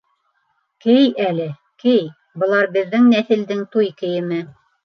Кей әле, кей, былар беҙҙең нәҫелдең туй кейеме.